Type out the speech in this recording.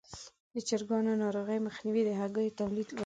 د چرګانو ناروغیو مخنیوی د هګیو تولید لوړوي.